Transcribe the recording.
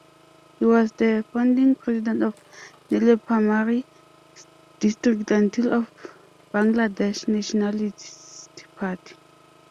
He was the founding President of Nilphamari District unit of Bangladesh Nationalist Party.